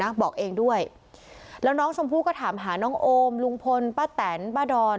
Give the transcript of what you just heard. บอกเองด้วยแล้วน้องชมพู่ก็ถามหาน้องโอมลุงพลป้าแตนป้าดอน